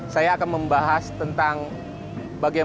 saya akan membahas tentang bagaimana tni dikendalikan